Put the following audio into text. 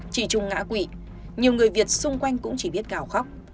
trị trung ngã quỷ nhiều người việt xung quanh cũng chỉ biết gào khóc